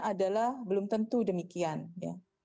adalah belum tentu demikian ya